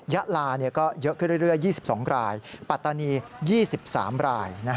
ยะลาเยอะเรื่อย๒๒รายปัตตานี๒๓ราย